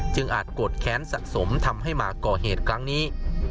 อาจโกรธแค้นสะสมทำให้มาก่อเหตุครั้งนี้